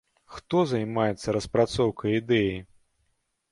Хто займаецца распрацоўкай ідэі?